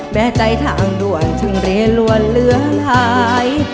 แม้ใจทางรวนถึงเรียนรวนเหลือหาย